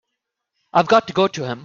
I've got to go to him.